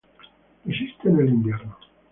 Resiste en el invierno.